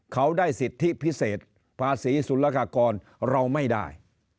เขาได้สิทธิพิเศษภาษีสุรกากรเราไม่ได้